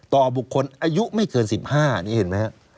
ต่อบุคคลอายุไม่เกิน๑๕นี่เห็นไหมครับ